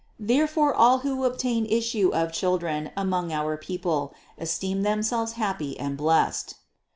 Therefore all who obtain issue of children among our people, esteem themselves happy and blessed.